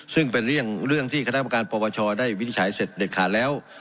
ซึ่งเป็นเรื่องที่ข้าทางประการปวชได้วิทยาศิลป์เสร็จเด็ดขาดแล้ว